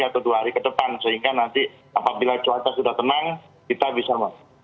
atau dua hari ke depan sehingga nanti apabila cuaca sudah tenang kita bisa